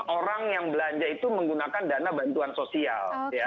orang yang belanja itu menggunakan dana bantuan sosial